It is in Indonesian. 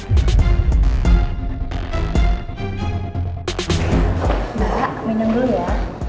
mbak minum dulu ya